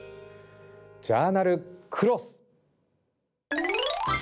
「ジャーナルクロス」。